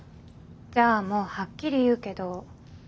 じゃあもうはっきり言うけど。